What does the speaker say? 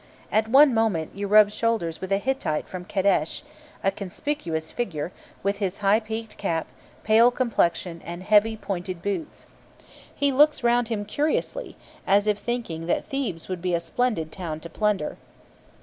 At one moment you rub shoulders with a Hittite from Kadesh, a conspicuous figure, with his high peaked cap, pale complexion, and heavy, pointed boots. He looks round him curiously, as if thinking that Thebes would be a splendid town to plunder.